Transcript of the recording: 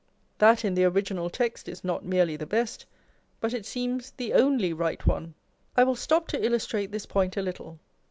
That in the original text is not merely the best, but it seems the only right one. I will stop to illustrate this point a little.